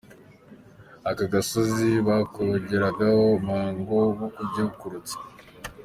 Aka gasozi bakoreragaho umuhango wo kubyukurutsa.